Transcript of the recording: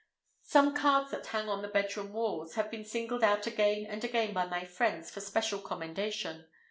Some cards that hang on the bedroom walls have been singled out again and again by my friends for special commendation.